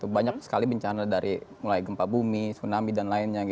banyak sekali bencana dari mulai gempa bumi tsunami dan lainnya